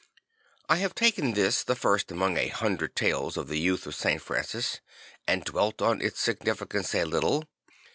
I have taken this the first among a hundred tales of the youth of St. Francis, and dwelt on its significance a little..